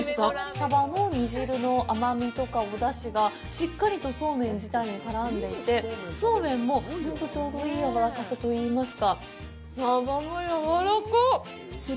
サバの煮汁の甘みとかお出汁がしっかりとそうめん自体に絡んでいて、そうめんもほんとちょうどいいやわらかさといいますか、サバもやわらかっ！